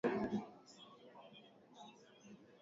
Wezi wameharibu mlango.